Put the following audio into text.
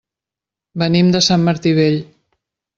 Venim de Sant Martí Vell.